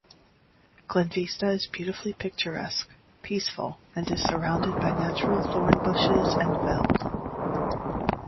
Glenvista is beautifully picturesque, peaceful and is surrounded by natural thorn bushes and veld.